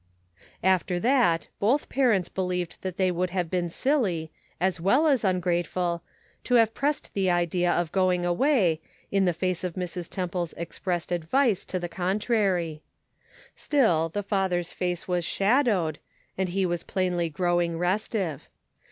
Measuring Human Influence. 883 After that, both parents believed that they would have been silly, as well as ungrateful, to have pressed the idea of going away, in the face of Mrs. Temple's expressed advice to the contrary. Still, the father's face was shadowed, and he was plainly growing restive.